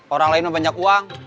orang lain yang banyak uang